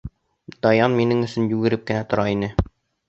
Даян минең өсөн йүгереп кенә тора ине.